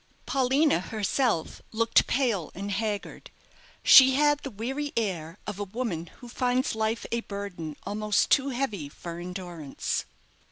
Paulina herself looked pale and haggard. She had the weary air of a woman who finds life a burden almost too heavy for endurance.